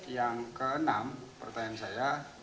yang keenam pertanyaan saya